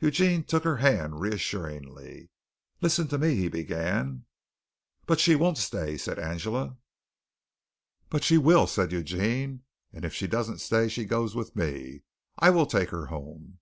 Eugene took her hand reassuringly. "Listen to me," he began. "But she won't stay," said Angela. "But she will," said Eugene; "and if she don't stay, she goes with me. I will take her home."